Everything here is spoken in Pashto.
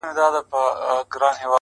خدای به د وطن له مخه ژر ورک کړي دا شر